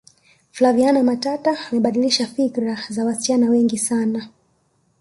flaviana matata amebadilisha fikra za wasichana wengi sana